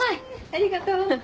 ありがとう。